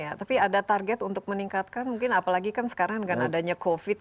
ya tapi ada target untuk meningkatkan mungkin apalagi kan sekarang dengan adanya covid